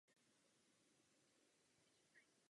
V tomto bodě považuji vaše návrhy za velmi rozumné.